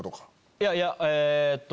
いやいやえっと。